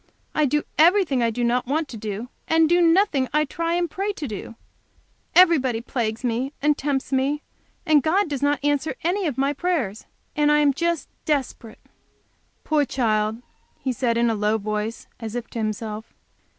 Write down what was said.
I do everything I do not want to do, and do nothing I try and pray to do. Everybody plagues me and tempts me. And God does not answer any of my prayers, and I am just desperate." "Poor child!" he said, in a low voice, as if to himself.